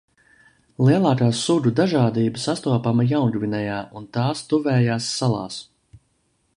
Lielākā sugu dažādība sastopama Jaungvinejā un tās tuvējās salās.